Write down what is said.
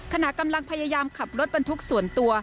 ขณะกำลังพยายามขับรถบรรทุกส่วนตัว